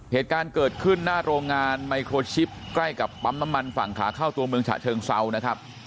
เหตุการณ์เกิดขึ้นหน้าโรงงานไมโครชิปใกล้กับปั๊มน้ำมันฝั่งขาเข้าตัวเมืองฉะเชิงเซานะครับ